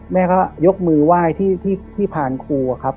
แม่เขายกมือไหว้ที่ที่ที่พานครูอะครับ